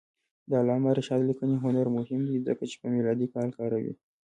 د علامه رشاد لیکنی هنر مهم دی ځکه چې میلادي کال کاروي.